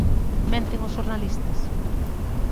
¿Menten os xornalistas?